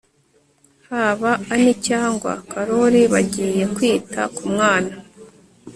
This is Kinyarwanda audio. haba ann cyangwa carol bagiye kwita ku mwana